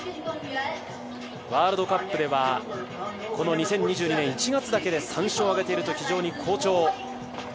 ワールドカップでは２０２２年１月だけで３勝挙げていると非常に好調。